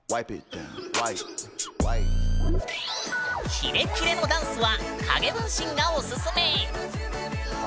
キレキレのダンスは影分身がオススメ！